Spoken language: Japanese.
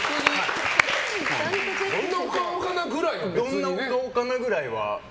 どんなお顔かなぐらいはね。